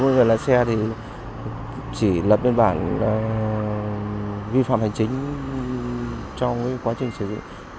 với người lái xe thì chỉ lập biên bản vi phạm hành chính trong quá trình sử dụng